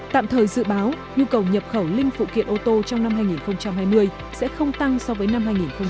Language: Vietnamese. tạm thời dự báo nhu cầu nhập khẩu linh phụ kiện ô tô trong năm hai nghìn hai mươi sẽ không tăng so với năm hai nghìn hai mươi